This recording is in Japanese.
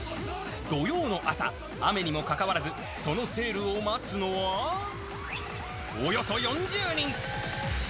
土曜の朝、雨にもかかわらず、そのセールを待つのは、およそ４０人。